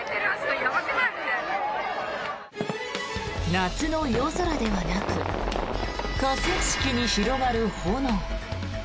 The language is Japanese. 夏の夜空ではなく河川敷に広がる炎。